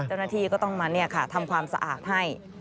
เจ้าหน้าที่ก็ต้องมาทำความสะอาดให้